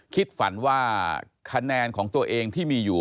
คิดฝันว่าคะแนนของตัวเองที่มีอยู่